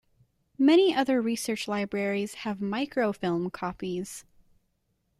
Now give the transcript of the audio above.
Many other research libraries have microfilm copies.